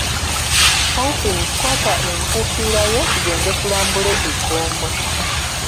Hawkins kwata enkuufiira yo tugende tulambule ekyombo.